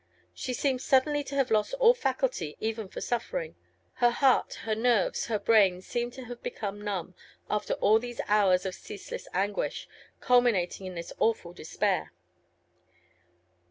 She seemed suddenly to have lost all faculty even for suffering: her heart, her nerves, her brain seemed to have become numb after all these hours of ceaseless anguish, culminating in this awful despair.